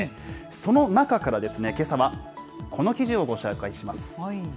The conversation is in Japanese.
その中からけさは、この記事をご紹介します。